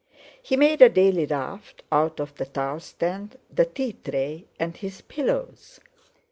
He made a daily raft out of the towel stand, the tea tray, and his pillows.